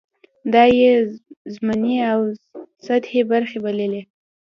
دا یې ضمني او سطحې برخې بللې.